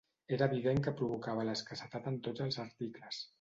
Era evident que provocava l'escassetat en tots els articles